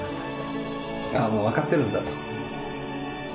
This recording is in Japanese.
あぁもう分かってるんだと。